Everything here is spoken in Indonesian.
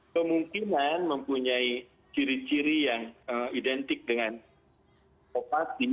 kemungkinan mempunyai ciri ciri yang identik dengan kopasin